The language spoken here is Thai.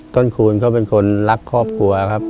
คูณก็เป็นคนรักครอบครัวครับ